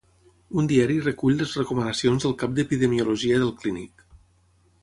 Un diari recull les recomanacions del cap d'Epidemiologia del Clínic